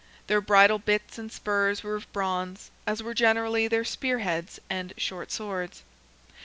Their bridle bits and spurs were of bronze, as were generally their spear heads and short swords.